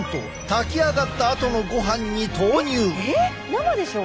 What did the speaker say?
生でしょ？